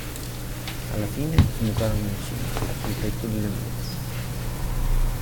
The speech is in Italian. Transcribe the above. Alla fine, sbucarono in cima, sul tetto delle mura.